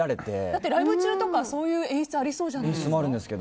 だってライブ中とかそういう演出ありそうじゃないですか。